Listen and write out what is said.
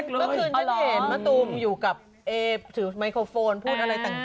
เมื่อเมื่อคืนจะหรอมะตูมอยู่กับเอฟถือไมโครโฟนพูดอะไรต่างอยู่